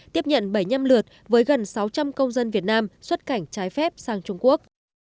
tiếp nhận bảy mươi năm lượt với gần sáu trăm linh công dân việt nam xuất cảnh trái phép sang trung quốc